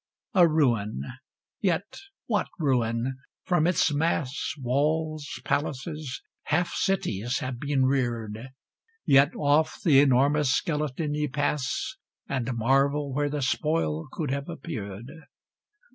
....... A ruin yet what ruin! from its mass Walls, palaces, half cities, have been reared; Yet oft the enormous skeleton ye pass, And marvel where the spoil could have appeared.